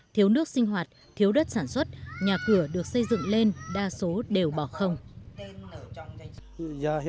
thiếu nước sinh hoạt thiếu đất sản xuất nhà cửa được xây dựng lên đa số đều bỏ không